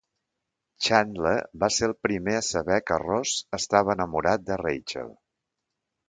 Chandler va ser el primer a saber que Ross estava enamorat de Rachel.